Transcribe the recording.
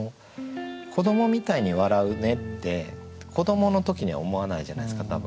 「子どもみたいに笑ふね」って子どもの時には思わないじゃないですか多分。